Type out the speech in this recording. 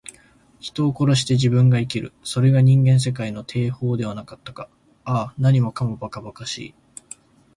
人を殺して自分が生きる。それが人間世界の定法ではなかったか。ああ、何もかも、ばかばかしい。